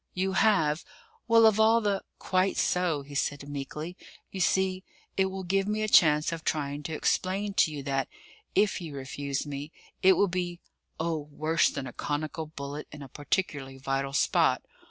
"You have? Well, of all the !" "Quite so," he said meekly. "You see, it will give me a chance of trying to explain to you that, if you refuse me, it will be oh, worse than a conical bullet in a particularly vital spot.